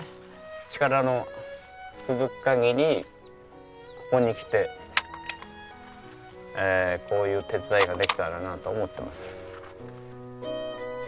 力の続く限りここに来てこういう手伝いができたらなと思ってます。